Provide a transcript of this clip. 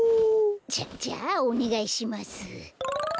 じゃじゃあおねがいします。